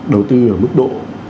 đầu tư ở mức độ